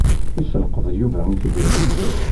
Isselqeḍ Yuba itbiren.